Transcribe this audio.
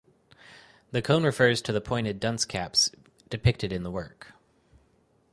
The cone refers to the pointed dunce caps depicted in the work.